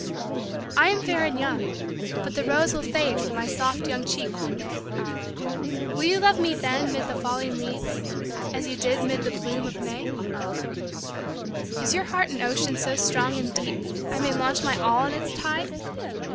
. I am fair and young, but the rose will fade From my soft, young cheek one day, Will you love me then 'mid the falling leaves, As you did 'mid the bloom of May ? 200 LITERARY WORK OF MARY T. LATHRAP. Is your heart an ocean so strong and deep I may launch my all on its tide?